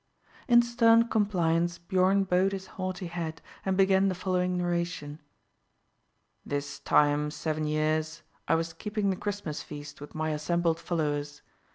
In stern compliance Biorn bowed his haughty head, and began the following narration. "This time seven years I was keeping the Christmas feast with my assembled followers.